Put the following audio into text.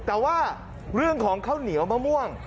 แต่ว่าเรื่องของข้าวเหนียวมะม่วง